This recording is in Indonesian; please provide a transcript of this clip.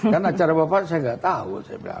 kan acara bapak saya nggak tahu